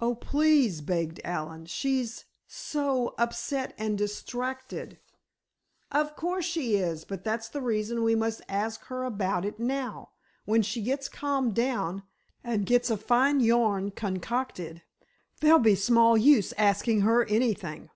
"Oh, please," begged Allen, "she's so upset and distracted——" "Of course she is. But that's the reason we must ask her about it now. When she gets calmed down, and gets a fine yarn concocted, there'll be small use asking her anything!"